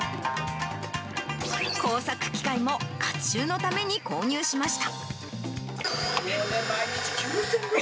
工作機械もかっちゅうのために購入しました。